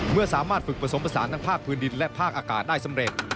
เมื่อสามารถฝึกผสมผสานทั้งภาคพื้นดินและภาคอากาศได้สำเร็จ